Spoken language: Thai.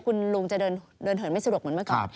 คุณลุงจะเดินเหินไม่สะดวกเหมือนเมื่อก่อน